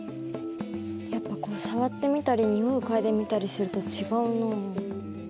やっぱこう触ってみたり匂いを嗅いでみたりすると違うなあ。